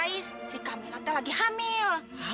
ini tuh nih